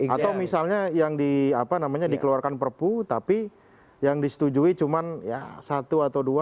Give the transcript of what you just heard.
atau misalnya yang dikeluarkan perpu tapi yang disetujui cuma satu atau dua